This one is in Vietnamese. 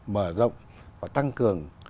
mở rộng và tăng cường